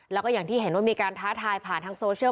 แล้วก็อย่างที่เห็นว่ามีการท้าทายผ่านทางโซเชียล